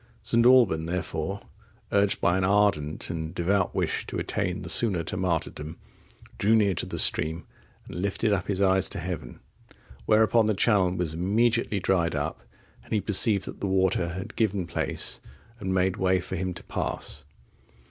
St. Alban, therefore, urged by an ardent and devout wish to attain the sooner to martyrdom, drew near to the stream, and lifted up his eyes to heaven, whereupon the channel was immediately dried up, and he perceived that the water had given place and made way for him to pass.